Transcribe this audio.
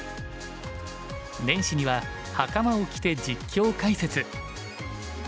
年始にははかまを着て実況解説。